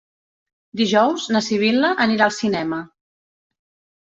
Dijous na Sibil·la anirà al cinema.